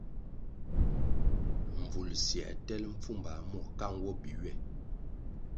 Mbvul siē tel mpfumba mwo ka nwo bi ywe.